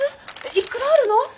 いくらあるの？